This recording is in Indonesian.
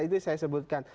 itu saya sebutkan